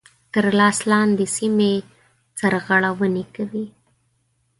تر لاس لاندي سیمي سرغړوني کوي.